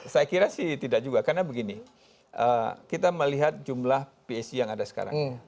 saya kira sih tidak juga karena begini kita melihat jumlah psc yang ada sekarang